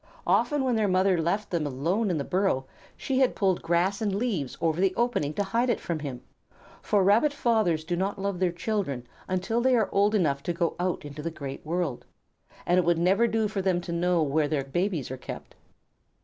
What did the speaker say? Often when their mother left them alone in the burrow she had pulled grass and leaves over the opening to hide it from him, for Rabbit fathers do not love their children until they are old enough to go out into the great world, and it would never do for them to know where their babies are kept.